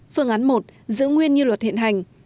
phương án một giữ nguyên như luật hiện hành